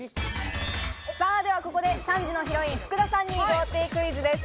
では、ここで３時のヒロイン・福田さんに豪邸クイズです。